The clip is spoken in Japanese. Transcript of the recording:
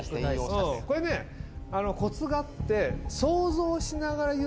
これねコツがあって。